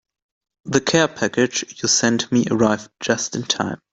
The care package you sent me arrived just in time.